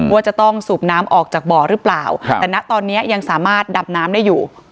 ว่าจะต้องสูบน้ำออกจากบ่อหรือเปล่าแต่ณตอนนี้ยังสามารถดับน้ำได้อยู่